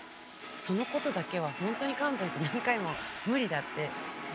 そのことだけは本当に勘弁って何回も無理だって申し上げてたのね。